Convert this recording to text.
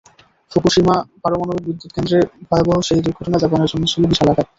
Fukushima পারমাণবিক বিদ্যুৎকেন্দ্রে ভয়াবহ সেই দুর্ঘটনা জাপানের জন্য ছিল বিশাল আঘাত।